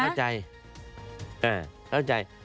เออเข้าใจ